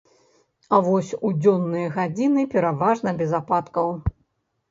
А вось у дзённыя гадзіны пераважна без ападкаў.